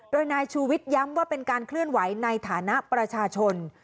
โดยนายชูวิทย้ำว่าเป็นการเคลื่อนไหวในฐานะประชาชน